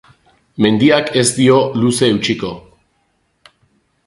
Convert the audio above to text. Mendiak ez dio luze eutsiko.